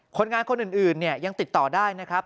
คนงานคนอื่นเนี่ยยังติดต่อได้นะครับ